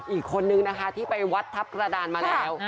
อีกคนนึงนะคะที่ไปวัดทัพกระดานมาแล้ว